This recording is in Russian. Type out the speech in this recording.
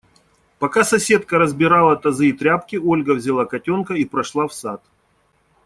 Пока соседка разбирала тазы и тряпки, Ольга взяла котенка и прошла в сад.